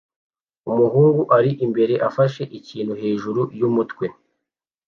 Umuhungu ari imbere afashe ikintu hejuru yumutwe